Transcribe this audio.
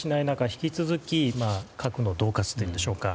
引き続き核の恫喝というんでしょうか。